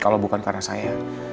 kalau bukan karena saya